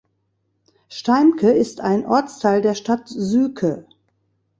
Steimke ist ein Ortsteil der Stadt Syke.